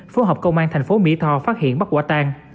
phối hợp công an thành phố mỹ tho phát hiện bắt quả tang